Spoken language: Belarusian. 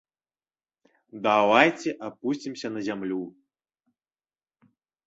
Давайце апусцімся на зямлю.